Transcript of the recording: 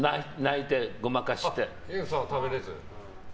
研さんは食べれず？